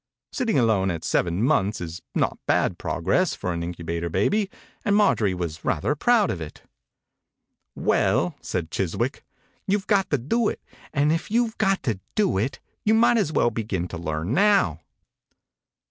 Sitting alone at seven months is not bad progress for an incu bator baby and Marjorie was rather proud of it. "Well," said Chiswick, "you've got to do it, and if you've got to do it you might as well begin to learn now."